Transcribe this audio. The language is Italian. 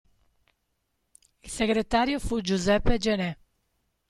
Il segretario fu Giuseppe Gené.